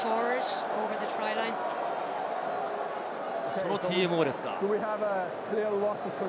そのＴＭＯですか。